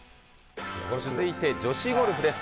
続いて女子ゴルフです。